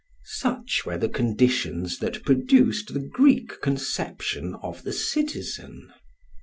Such were the conditions that produced the Greek conception of the citizen.